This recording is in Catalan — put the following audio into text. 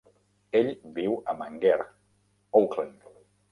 Ell viu a Mangere, Auckland.